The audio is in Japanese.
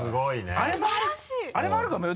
あれもあるかもよ？